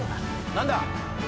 何だ